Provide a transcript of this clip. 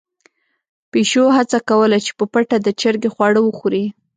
پيشو هڅه کوله چې په پټه د چرګې خواړه وخوري.